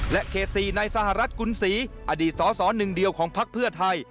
เขต๔ในสหรัฐกุลศรีอดีตสสหนึ่งเดียวของพักเพื่อไทย